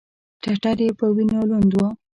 ټټر یې په وینو لوند و.